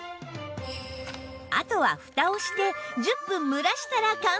あとはふたをして１０分蒸らしたら完成！